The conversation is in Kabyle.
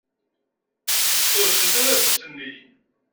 Sqedcen tadabut-nni.